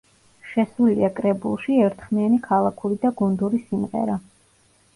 შესულია კრებულში „ერთხმიანი ქალაქური და გუნდური სიმღერა“.